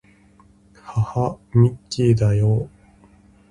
はは、ミッキーだよ